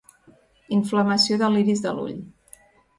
Inflamació de l'iris de l'ull.